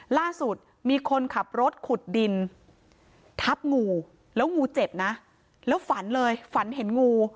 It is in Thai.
ล่าสุดมีคนขับรถขุดดินทับงูแล้วงูเจ็บนะแล้วฝันเลยฝันเห็นงู